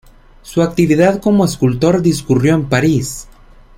Su actividad como escultor discurrió en París.